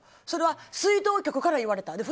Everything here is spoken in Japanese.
それは水道局から言われた。